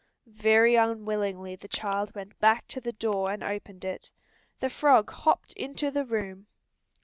Very unwillingly the child went back to the door and opened it; the frog hopped into the room.